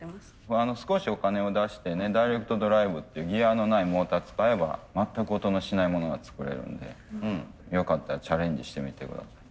少しお金を出してねダイレクトドライブっていうギアのないモーター使えば全く音のしないものが作れるのでよかったらチャレンジしてみて下さい。